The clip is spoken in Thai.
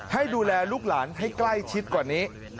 ให้ดูแลลูกหลานให้ใกล้ชิดกว่านี้